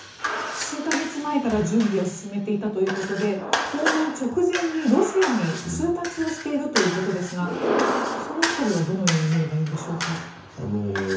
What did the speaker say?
数か月前から準備を進めていたということで訪問直前にロシアに通達をしているということですがその辺りはどのように見ればいいんでしょうか。